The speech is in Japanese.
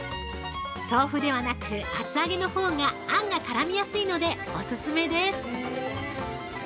豆腐ではなく厚揚げのほうがあんが絡みやすいのでお勧めです！